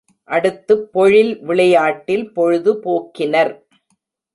அடுத்துப் பொழில் விளையாட்டில் பொழுது போக்கினர்.